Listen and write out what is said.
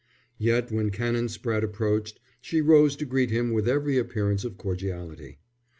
Yet when Canon Spratte approached she rose to greet him with every appearance of cordiality.